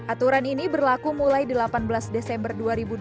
aturan ini berlaku mulai delapan belas desember dua ribu dua puluh